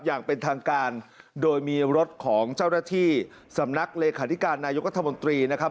อย่างเป็นทางการโดยมีรถของเจ้าหน้าที่สำนักเลขาธิการนายกัธมนตรีนะครับ